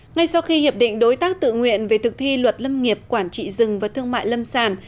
ngay sau khi hiệp định đối tác tự nguyện về thực thi luật lâm nghiệp quản trị rừng và thương mại lâm sản